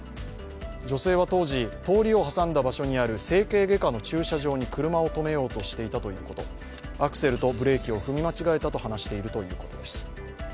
女性は当時、通りを挟んだ場所にある整形外科の駐車場に車を止めようとしていたということ、アクセルとブレーキを踏み間違えたと話しているということです。